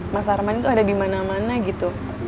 mas harman itu ada dimana mana gitu